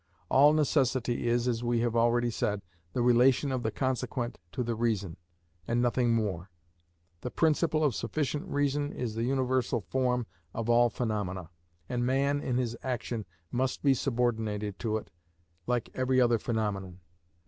All necessity is, as we have already said, the relation of the consequent to the reason, and nothing more. The principle of sufficient reason is the universal form of all phenomena, and man in his action must be subordinated to it like every other phenomenon.